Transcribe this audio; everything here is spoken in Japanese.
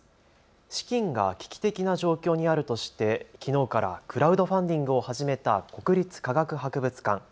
資金が危機的な状況にあるとしてきのうからクラウドファンディングを始めた国立科学博物館。